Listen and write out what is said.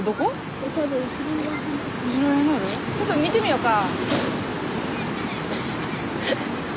ちょっと見てみようか。